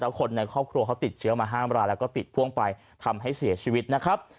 คนในครอบครัวเขาติดเชื้อมาห้ามรายแล้วก็ติดพ่วงไปทำให้เสียชีวิตนะครับ